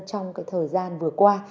trong cái thời gian vừa qua